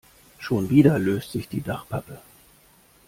Schon wieder löst sich die Dachpappe.